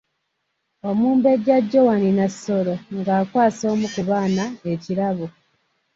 Omumbejja Joan Nassolo nga akwasa omu ku baana ekirabo.